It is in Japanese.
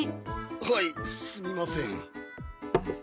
はいすみません。